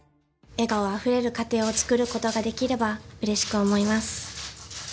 笑顔あふれる家庭を作ることができれば、うれしく思います。